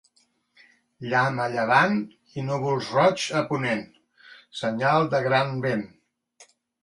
Llamp a llevant i núvols roigs a ponent, senyal de gran vent.